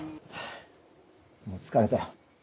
もう疲れたよ。